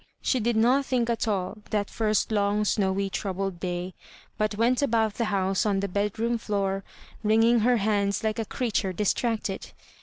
She did not think at all that first long snowy, troubled day, but went about the house, on the bedroom floor, wringing her hands like a creature distracted.